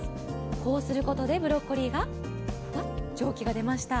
こうすることでブロッコリーが、蒸気が出ました